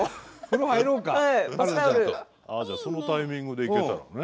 そのタイミングで行けたらね。